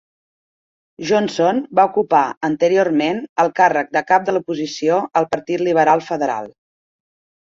Johnson va ocupar anteriorment el càrrec de cap de l'oposició al Partit Liberal Federal.